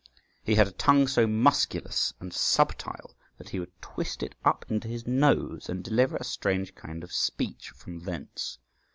He had a tongue so musculous and subtile, that he could twist it up into his nose and deliver a strange kind of speech from thence.